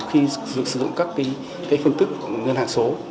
khi sử dụng các phương tức ngân hàng số